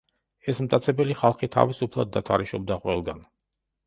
ეს მტაცებელი ხალხი თავისუფლად დათარეშობდა ყველგან.